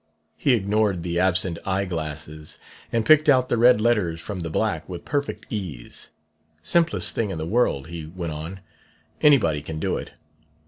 "' He ignored the absent eye glasses and picked out the red letters from the black with perfect ease. 'Simplest thing in the world,' he went on; 'anybody can do it.